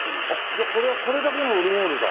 じゃあこれはこれだけのオルゴールだ。